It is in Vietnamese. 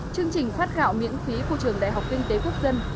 chương trình phát gạo miễn phí của trường đại học kinh tế quốc dân